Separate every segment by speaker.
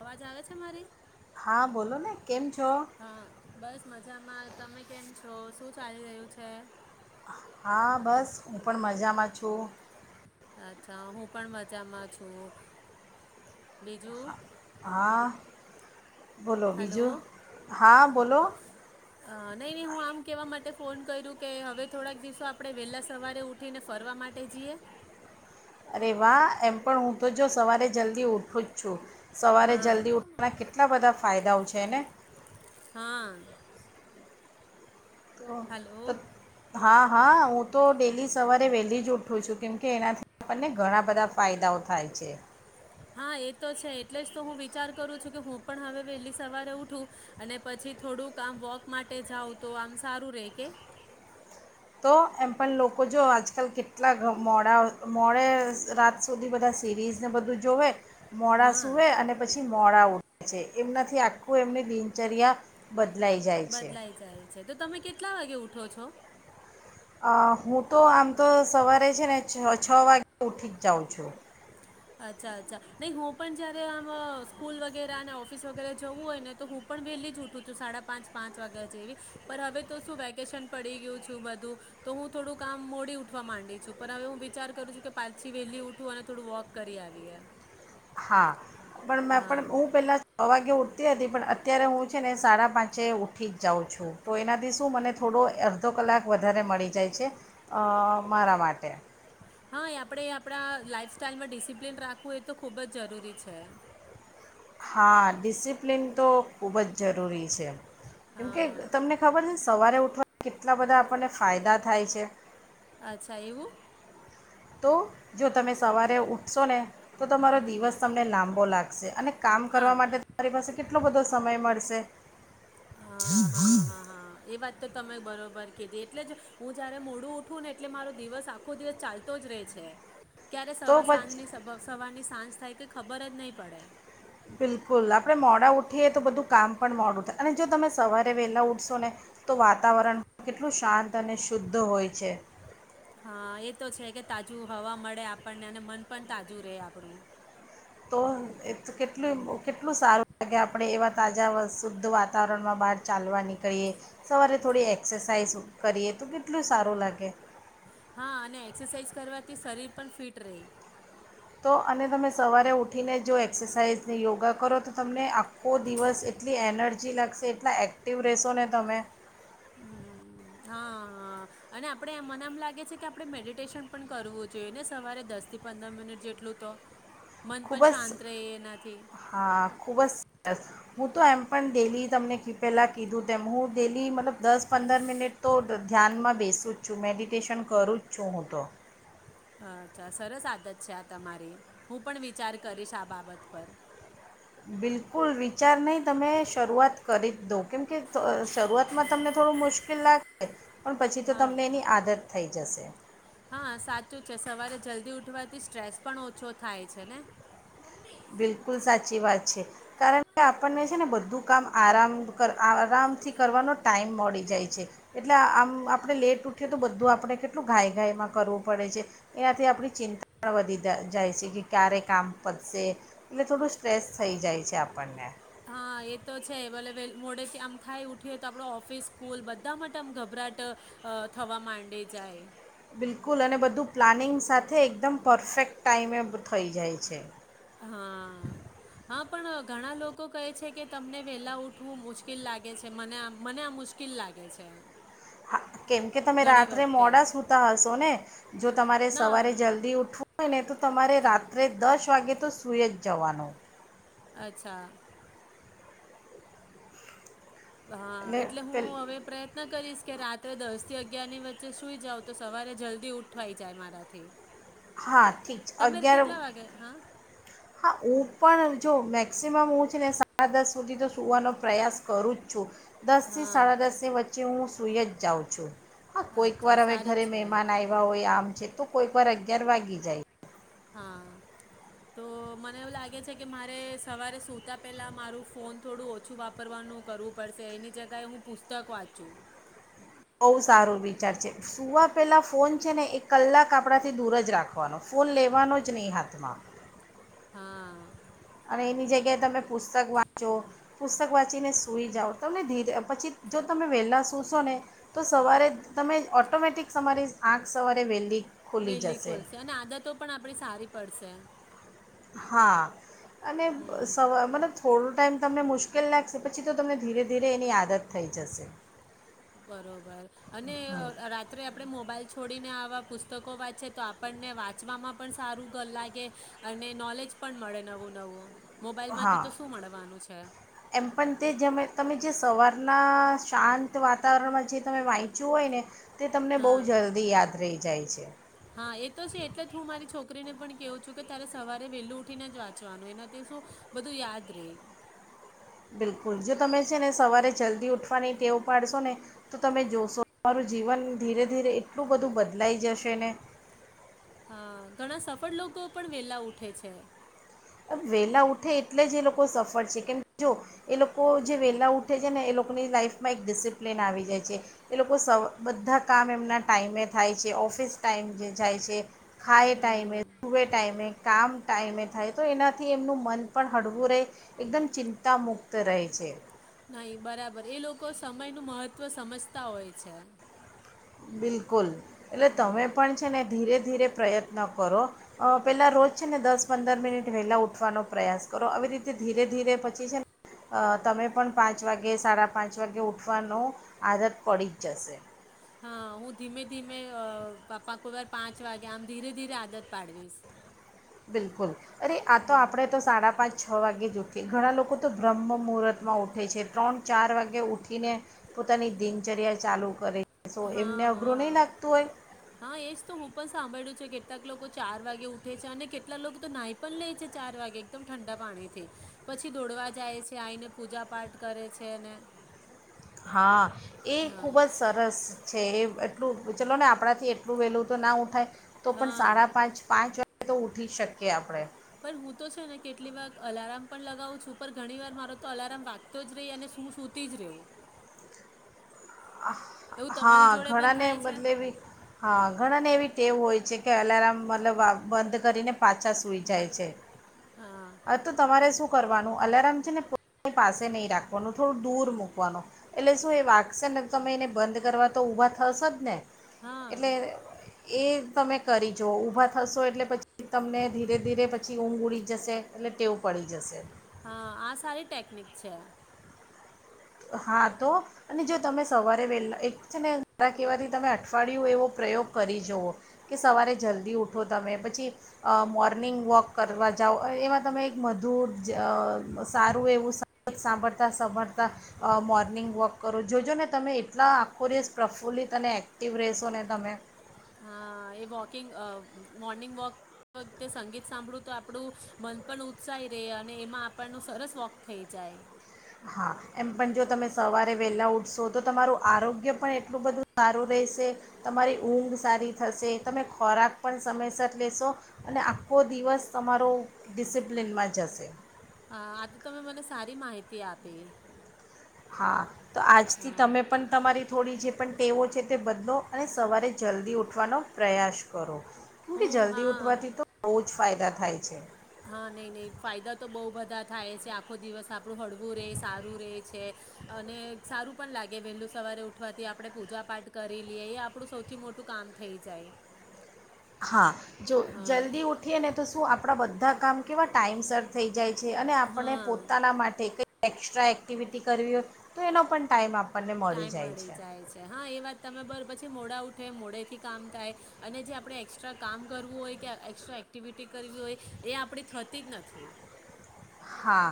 Speaker 1: અવાજ આવે છે મારી,
Speaker 2: હા બોલો ને કેમ છો
Speaker 1: હા બસ મજામાં, તમે કેમ છ તો, શું ચાલી રહ્યું છે
Speaker 2: હા, બસ હું પણ મજામાં છું
Speaker 1: અચ્છા હું પણ મજામાં છું, બીજું
Speaker 2: હા બોલો
Speaker 1: હલો,
Speaker 2: બીજું હા બોલો
Speaker 1: નહી, નહી હું આમ કેવા માટે ફોન કર્યું કે હવે થોડાક દિવસો આપણે વહેલાં સવારે ઉઠીને ફરવા માટે જઈએ
Speaker 2: એવા એમ પણ હું તો જો સવારે જલ્દી ઉઠું જ છું. સવારે
Speaker 1: હા
Speaker 2: જલ્દી ઉઠવાના કેટલા બધા ફાયદાઓ છે ને
Speaker 1: હા
Speaker 2: તો, ત
Speaker 1: હલો
Speaker 2: હા હા હું તો ડેલી સવારે વેહેલી જ ઉઠું છું કેમકે એનાથી આપણને ઘણા બધા ફાયદાઓ થાય છે.
Speaker 1: હા એ તો છે એટલે જ તો હું વિચાર કરું છું કે હું પણ હવે વહેલી સવારે ઉઠું અને પછી થોડુંક આમ વોક માટે જાઉં તો આમ સારું રે કે.
Speaker 2: તો એમ પણ લોકો જો આજકાલ કેટલા મોડા મોડે રાત સુધી બધા સિરીઝને બધું જોવે મોડા
Speaker 1: હા
Speaker 2: સુવે અને પછી મોડા ઉઠે છે એમનાથી આખું એમની દિનચર્યા બદલાઈ જાય છે.
Speaker 1: બદલાઈ જાય છે તો તમે કેટલા વાગે ઉઠો છો?
Speaker 2: અ હું તો આમ તો સવારે છે ને છ છ વાગે ઉઠી જ જાઉં છું.
Speaker 1: અચ્છા અચ્છા નહીં હું પણ જયારે આમ સ્કૂલ વગેરે અને ઓફિસ વગેરે જવું હોય ને તો હું પણ વહેલી જ ઉઠું છું સાડા પાંચ પાંચ વાગ્યા જેવી પણ હવે તો શું વેકેશન પડી ગયું છું બધું તો હું થોડુંક આામ મોડી ઉઠવા માંડી છું પણ હવે હું વિચાર કરું છું કે પાછી વહેલી ઊઠું અને થોડું વોક કરી આવ્યે.
Speaker 2: હા. પણ મેં પણ હું પેલા છ વાગે ઉ તી હતી પણ અત્યારે હું છે ને સાડા પાંચે ઊઠી જ જાઉં છું તો એનાથી શું મને થોડો અડધો કલાક વધારે મળી જાય છે અ મારા માટે
Speaker 1: હા એ આપણે આપણા લાઈફ સ્ટાઈલમાં ડિસિપ્લિન રાખવું એ તો ખૂબ જ જરૂરી છે.
Speaker 2: હા ડિસિપ્લિન તો ખૂબ જ જરૂરી છે. કેમ કે
Speaker 1: હા
Speaker 2: તમને ખબર છે સવારે ઉઠ કેટલા બધા આપણને ફાયદા થાય છે.
Speaker 1: અચ્છા, એવું!
Speaker 2: તો જો તમે સવારે ઉઠશો ને તો તમારો દિવસ તમને લાંબો લાગ શે અને કામ
Speaker 1: હા
Speaker 2: કરવા માટે તમારી પાસે કેટ ટલો બધો સમય મળશે.
Speaker 1: હા હા હા હા એ વાત તો તમે બરોબર કે એટલે જ હું જયારે મોડું ઉઠું ને એટલે મારો દિવસ આખો દિવસ ચાલતો જ રહેે છે. ક્યારે
Speaker 2: તો
Speaker 1: સવા સાંજની સ
Speaker 2: પછી
Speaker 1: સવારની સાંજ થાય કે ખબર જ નહીં પડે.
Speaker 2: બિલકુલ, આપણે મોડા ઉઠીએ તો બધું કામ પણ મોડું થાય અને જો તમે સવારે વહેલા ઉઠશો ને તો વાતાવરણ કેટલું શાંત અને શુદ્ધ હોય છે.
Speaker 1: હા એ તો છે કે તાજું હવા મળે આપણને અને મન પણ તાજું રહે આપણું.
Speaker 2: તો એ કેટલું કેટલું સારું આપણે એવા તાજા વ શુદ્ધ વાતાવરણમાં બહાર ચાલવા નીકળીએ સવારે થોડી એક્સરસાાઈઝ કરીએ તો કેટલું સારું લાગે.
Speaker 1: હા અને એક્સરસાઇઝ કરવાથી શરીર પણ ફિટ રેય.
Speaker 2: તો અને તમે સવારે ઉઠીને જો એક્સરસાઇઝ ને યોગા કરો તો તમને આખો દિવસ એટલી એનર્જી લાગશે એટલા એક્ટિવ રહેશો ને તમે
Speaker 1: હમ્મ હા હા અને આપણે મને એમ લાગે છે કે આપણે મેડિટેશન પણ કરવું જોઈએ ને સવારે દસ થી પંદર મિનિટ જેટલું તો. મન
Speaker 2: ખુબ
Speaker 1: પણ
Speaker 2: જ
Speaker 1: શાંત રહે એનાથી
Speaker 2: હા ખુબ જ સરસ. હું તો એમ પણ ડેલી તમને ક પહેલાં કીધું તેમ હું ડેલી મતલબ દસ પંદર મિનિટ તો ધ્યાનમાં બેસું જ છું મેડિટેશન કરું જ છું હું તો.
Speaker 1: અચ્છા સરસ આદત છે આ તમારી, હું પણ વિચાર કરીશ આ બાબત પર.
Speaker 2: બિલકુલ વિચાર નહીં તમે શરૂઆત કરી જ દો કેમ કે દ શરૂઆતમાં તમને થોડું મુશ્કેલ લાગે પણ પછી તો
Speaker 1: હા
Speaker 2: તમને એની આદત થઈ જશે.
Speaker 1: હા સાચું છે સવારે જલ્દી ઉઠવાથી સ્ટ્રેસ પણ ઓછો થાય છે ને
Speaker 2: બિલકુલ સાચી વાત છે, કારણ કે આપણને છે ને બધું કામ આરામ આરામથી કરવાનો ટાઈમ મળી જાય છે, એટલે આમ આપણે લેટ ઉઠીએ તો બધું આપણે કેટલું ઘાય ગાયમાં કરવું પડે છે એનાથી આપણી ચિંતા પણ વધી જાય છે, કે ક્યારે કામ પતશે થોડું સ્ટ્રેસ થઈ જાય છે, આપણને
Speaker 1: હા, એ તો છે અવેલેબલ મોડેથી આમ થાય ઉઠીએ તો આપડે ઓફિસ સ્કૂલ બધા માટે આમ ગભરાટ થવા માંડી જાય
Speaker 2: બિલકુલ અને બધું પ્લાનિંગ સાથે એકદમ પરફેક્ટ ટાઈમે થઈ જાય છે
Speaker 1: હા, હા, પણ ઘણા લોકો કહે છે કે તમને વેલા ઉઠવું મુશ્કેલ લાગે છે, મને મને આ મુશ્કેિલ લાગે છે
Speaker 2: હા, કેમ કે તમે
Speaker 1: ઘણી
Speaker 2: રાત્રે
Speaker 1: વખતે
Speaker 2: મોડા સુતા હશો ને જો તમારે
Speaker 1: ના
Speaker 2: સવારે જલ્દી ઉઠવું હોય ને તો તમારે રાત્રે દસ વાગે તો સુઈ જ જવાનો
Speaker 1: અચ્છા હા, એટલે હું હવે પ્રયત્ન કરીશ કે રાત્રે દસ થી અગિયાર ની વચ્ચે સુઈ જાવ તો સવારે જલ્દી ઉઠવાઈ જાય મારાથી
Speaker 2: હા ઠીક છે,
Speaker 1: તમે
Speaker 2: અગિયાર
Speaker 1: કેટલા વાગે હા
Speaker 2: હા, હું પણ જો મેક્સિમમ હું છે ને સાડા દસ સુધી તો સુવાનો પ્રયાસ કરું જ છું દસથી
Speaker 1: હા
Speaker 2: સાડા દસની વચ્ચે હું સુઈ જ જાઉં છું હા, કોઈક
Speaker 1: અચ્છા
Speaker 2: વાર હવે
Speaker 1: સારું
Speaker 2: ઘરે
Speaker 1: છે
Speaker 2: મહેમાન આવ્યા હોય આમ છે તો કોઈ વાર અગિયાર વાગી જાય
Speaker 1: હા તો મને એવું લાગે છે કે મારે સવારે સુતા પહેલા મારું ફોન થોડું ઓછું વાપરવાનું કરવું પડશે એની જગએ હું પુસ્તક વાંચું
Speaker 2: બહુ સારો વિચાર છે સૂવા પહેલા ફોન છે ને એ કલાક આપણાથી દૂર જ રાખવાનો ફોન લેવાનો જ નહીં હાથમાં
Speaker 1: હા
Speaker 2: અને એની જગ્યાએ તમે પુસ્તક વાંચો પુસ્તક વાંચીને સૂઈ જાઓ તમને ધીરે પછી જો તમે વહેલાં સૂશો ને તો સવારે તમે ઓટોમેટિક તમારી આંખ સવારે વહેલી ખુલી
Speaker 1: વેલી
Speaker 2: જશે
Speaker 1: ખોલશે અને આદતો પણ આપણી સારી પડશે
Speaker 2: હા અને
Speaker 1: હમ
Speaker 2: સવા મલબ થોડો ટાઈમ તમને મુશ્કેલ લાગશે પછી તો તમને ધીરે ધીરે એની આદત થઈ જશે
Speaker 1: બરોબર અને રાત્રે આપણે મોબાઈલ છોડીને આવાં પુસ્તકો વાંચે તો આપણને વાંચવામાં પણ સારું લાગે અને નોલેજ પણ મળે નવું, નવું મોબાઈલમાંથી
Speaker 2: હા,
Speaker 1: તો શું મળવાનું છે
Speaker 2: એમ પણ તે તમે જે સવાર ના શાંત વાતાવરણમાં જે તમે વાંચ્યું હોય ને તે તમને બહુ
Speaker 1: હા
Speaker 2: જલ્દી યાદ રહી જાય છે
Speaker 1: હા, એ તો છે એટલે હું મારી છોકરીને પણ કેવું છું કે તારે સવારે વેલું ઉઠીને જ વાંચવાનું એનાથી શું બધું યાદ રે
Speaker 2: બિલકુલ જો તમે છે ને સવારે જલ્દી ઉઠવાની ટેવ પાડશો ને તો તમે જોશો તમારું જીવન ધીરે ધીરે એટલું બધું બદલાઈ જશે ને
Speaker 1: હા, ઘણા સફળ લોકો પણ વેલા ઉઠે છે
Speaker 2: વહેલા ઉઠે એટલે જ એ લોકો સફળ છે, કેમ જો એ લોકો જે વહેલા ઉઠે છે, ને એ લોકોની લાઈફમાં એક ડિસિપ્લિન આવી જાય છે, એ લોકો સ બધા કામ એમના ટાઈમે થાય છે ઓફિસ ટાઈમ જે જાય છે ખાએ ટાઈમે, સુવે ટાઈમે, કામ ટાઈમે થાય તો એનાથી એમનું મન પણ હળવું રહે, એકદમ ચિંતા મુક્ત રહે છે
Speaker 1: અહી બરાબર એ લોકો સમયનું મહત્વ સમજતા હોય છે.
Speaker 2: બિલકુલ. એટલે તમે
Speaker 1: હા
Speaker 2: પણ છે ને ધીરે ધીરે પ્રયત્ન કરો, અ પેલા રોજ છે ને દસ પંદર મિનિટ વહેલા ઉઠવાનો પ્રયાસ કરો, આવી રીતે ધીરે ધીરે પછી છે ને તમે પણ પાંચ વાગે સાડા પાંચ વાગે ઉઠવાનો આદત પડી જ જશે.
Speaker 1: હા હું ધીમે ધીમે અ પાપા કો વાર પાંચ વાગે આમ ધીરે ધીરે આદત પાડવીશ.
Speaker 2: બિલકુલ. અરે આ તો આપણે તો સાડા પાંચ છ વાગે જ ઉઠે, ઘણા લોકો તો બ્રહ્મ મુહૂર્તમાં ઉઠે છે ત્રણ ચાર વાગે ઉઠીને પોતાની દિનચર્યા ચાલુ કરે. છે સો
Speaker 1: હ
Speaker 2: એમને
Speaker 1: હ,
Speaker 2: અઘરું નહીં લાગતું હોય
Speaker 1: હા એજ તો હું પણ સાંભળ્યું છે કે કેટલાક લોકો ચાર વાગે ઉઠે છે અને કેટલાક લોકો તો નાઈ પણ લે છે ચાર વાગે એકદમ ઠંડા પાણી થી પછી દોડવા જાય છે આઈને પૂજા પાઠ કરે છે ને
Speaker 2: હા, એ ખૂબ જ સરસ. છે એ એટલું ચલો ને આપણાથી એટલું વહેલું તો ના ઊઠાય તો પણ
Speaker 1: હા
Speaker 2: સાડા પાંચ પાંચ વા ગે તો ઉઠી જ શકીએ આપણે.
Speaker 1: પણ હું તો છે ને કેટલી વાર અલારામ પણ લગાવું છું પણ ઘણી વાર મારો તો અલારામ વાગતો જ રે અને શું સુતી જ રેવું.
Speaker 2: હા, ઘણાને
Speaker 1: છે
Speaker 2: બદલે એવી હા, ઘણાને એવી તેવ હોય છે કે અલારામ મતલબ અ બંધ કરીને પાછા સૂઈ જાય છે.
Speaker 1: હા
Speaker 2: આ તો તમારે શું કરવાનું અલારામ છે ને પો [inaudible] પાસે નહીં રાખવાનું થોડું દૂર મૂકવાનું એટલે શું એ વગશેને તમેં એને બંધ કરવા તો ઊભા થશો જ ને
Speaker 1: હા
Speaker 2: એટલે એ તમે કરી જોઓ ઊભા થશો એટલે પછી તમને ધીરે ધીરે પછી ઊંઘ ઉડી જ જશે, અને ટેવ પડી જશે.
Speaker 1: હા આ સારી ટેકનિક છે.
Speaker 2: હા તો, અને જો તમે સવારે વહેલા એક છે ને દરા કહેવાથી તમે અઠવાડિયું એવો પ્રયોગ કરી જવ કે સવારે જલ્દી ઉઠો, તમે પછી અ મોર્નિંગ વોક કરવા જાઓ એમાં તમે એક મધુર જ અ સારું એવું સ [inaudible] સાંભળતા સાંભળતા અ મોર્નિંગ વોક કરો જોજો ને તમે એટલા આખું રશ પ્રફુલ્લીત અને એક્ટિવ રહેશો ને તમે
Speaker 1: હા એ વોકિંગ અ મોર્નિંગ વોક વખતે સંગીત સાંભળું તો આપડું મન પણ ઉત્સાહી રે અને એમાં આપણનું સરસ વોક થઈ જાય.
Speaker 2: હા એમ પણ જો તમે સવારે વહેલા ઊઠશો તો તમારું આરોગ્ય પણ એટલું બધું સારું, રહેશે તમારી ઊંઘ સારી થશે, તમે ખોરાક પણ સમયસર લેશો, અને આખો દિવસ તમારો ડિસિપ્લિનમાં જશે.
Speaker 1: હ આજે તમે મને સારી માહિતી આપી.
Speaker 2: હા. તો આજથી
Speaker 1: હા
Speaker 2: તમે પણ તમારી થોડી જે પણ ટેવો છે તે બદલો અને સવારે જલ્દી ઉઠવાનો પ્રયાસ કરો. કેમકે
Speaker 1: હું
Speaker 2: જલ્દી
Speaker 1: હા
Speaker 2: ઉઠવાથી તો બુઉ જ ફાયદા થાય છે.
Speaker 1: નહી નહી ફાયદા તો બહુ બધા થાય છે આખો દિવસ આપણું હળવું રે, સારું રે છે અને સારું પણ લાગે વહેલું સવારે ઉઠવાથી આપણે પૂજા પાઠ કરી લિએ એ આપણું સૌથી મોટું કામ થઈ જાય.
Speaker 2: હા. જો
Speaker 1: હા
Speaker 2: જલ્દી ઉઠીએ ને તો શું આપ આપણા બધા કામ કેવા ટાઈમસર થઈ જાય. છે અને આપણે
Speaker 1: હા
Speaker 2: પોતાના માટે કઈ એક્સ્ટ્રા એક્ટિવિટી કરવી હોય તો એનો પણ ટાઈમ આપણને મળી
Speaker 1: ટાઈમ
Speaker 2: જાય છે
Speaker 1: છે હા એ વાત તમે બાર પછી મોડા ઉઠે મોડેથી કામ થાય અને જે આપણે એક્સ્ટ્રા કામ કરવું હોય કે એકસ્ટ્રા એક્ટિવિટી કરવી હોય એ આપણી થતી જ નથી
Speaker 2: હા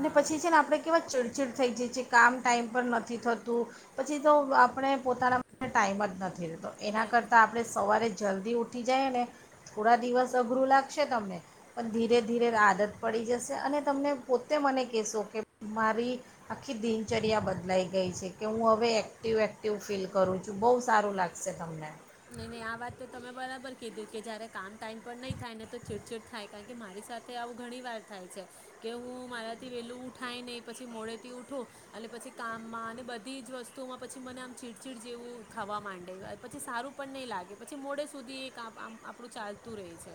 Speaker 2: અને પછી છે ને આપે કેવા ચીડ થઈ જાય છે, કામ ટાઈમ પર નથી થતું પછી તો આપણે પોતાના માટે ટાઈમ જ નથી રહેેતો એના
Speaker 1: નહીં
Speaker 2: કરતાં આપણે સવારે જ જલ્દી ઊઠી જઈએને થોડા દિવસ અઘરું લાગશે તમને પણ ધીરે ધીરે આદત પડી જશે અને તમને પોતે મને કહેશો કે મારી આખી દિનચર્યા બદલાઈ ગઈ છે કે હું હવે એક્ટિવ એક્ટિવ ફીલ કરું છું બહુ સારું લાગશે તમને
Speaker 1: નહી નહી આ વાત તો તમે બરાબર કીધી કે જયારે કામ ટાઈમ પર નહી થાય ને તો ચીડચીડ થાય કારણ કે મારી સાથે આવું ઘણી વાર થાય છે કે હું મારાથી વહેલું ઊઠાઈ નહી પછી મોડેથી ઊઠું અને પછી કામમાં અને બધીજ વસ્તુઓમાં પછી મને આમ ચીડ ચીડ જેવું થવા માંડે પછી સારું પણ નહી લાગે પછી મોડે સુધી એક આપણું ચાલતું રહે છે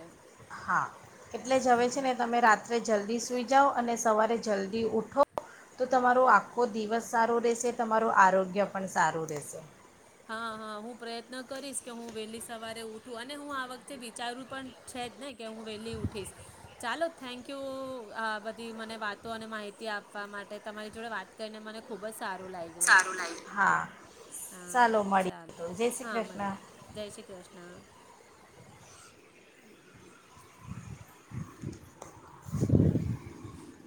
Speaker 2: હા એટલે જવે છે ને તમે રાત્ર જલ્દી સુઈ જાઓ અને સવારે જલ્દી ઉઠો તો તમારો આખો દિવસ સારો રહેશે તમારું આરોગ્ય પણ સારું રહેશે
Speaker 1: હા હા હું પ્રયત્ન કરીશ કે હું વહેલી સવારે ઉઠું અને હું આ વખતે વિચારવું પણ છેજ ને કે હું વહેલી ઊઠીશ ચાલો થેન્ક યુ આ બધી મને વાતો અને માહિતી આપવા માટે તમારી જોડે વાત કરીને મને ખૂબ જ સારું લાગ્યું
Speaker 2: સારું લાગ્યુ હા
Speaker 1: હા
Speaker 2: ચાલો
Speaker 1: ચાલ
Speaker 2: મળીએ તો જય શ્રી
Speaker 1: હા
Speaker 2: કૃષ્ણ.
Speaker 1: મળીએ જય શ્રી કૃષ્ણ
Speaker 2: [inaudible]